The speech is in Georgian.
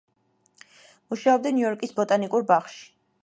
მუშაობდა ნიუ-იორკის ბოტანიკურ ბაღში.